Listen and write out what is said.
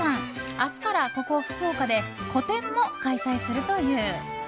明日からここ福岡で個展も開催するという。